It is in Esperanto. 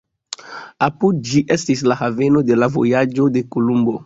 Apud ĝi estis la haveno de la vojaĝo de Kolumbo.